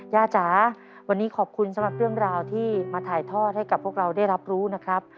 จ๋าวันนี้ขอบคุณสำหรับเรื่องราวที่มาถ่ายทอดให้กับพวกเราได้รับรู้นะครับ